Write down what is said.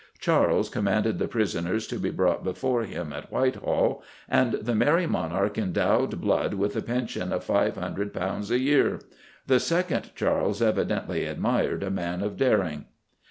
Charles commanded the prisoners to be brought before him at Whitehall, and the Merry Monarch endowed Blood with a pension of £500 a year. The second Charles evidently admired a man of daring.